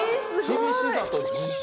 厳しさと自信！